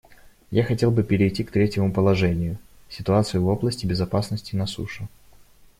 Я хотел бы перейти к третьему положению — ситуации в области безопасности на суше.